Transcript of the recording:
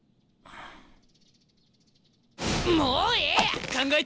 もうええ！